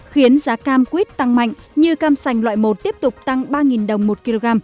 khiến giá cam quýt tăng mạnh như cam sành loại một tiếp tục tăng ba đồng một kg